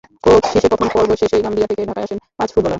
Coach Cisse প্রথম পর্ব শেষেই গাম্বিয়া থেকে ঢাকায় আনেন পাঁচ ফুটবলার।